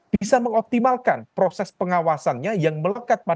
bisa mengoptimalkan proses pengawasannya yang melekat pada level komisi